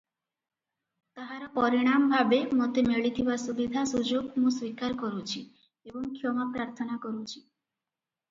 ତାହାର ପରିଣାମ ଭାବେ ମୋତେ ମିଳିଥିବା ସୁବିଧା ସୁଯୋଗ ମୁଁ ସ୍ୱୀକାର କରୁଛି ଏବଂ କ୍ଷମା ପ୍ରାର୍ଥନା କରୁଛି ।